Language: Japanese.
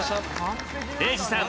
礼二さん